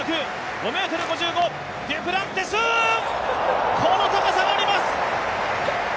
５ｍ５５、デュプランティス、この高さがあります。